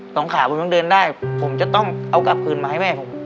ขาผมยังเดินได้ผมจะต้องเอากลับคืนมาให้แม่ผม